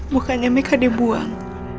bukannya mereka dibuang